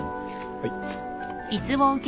はい。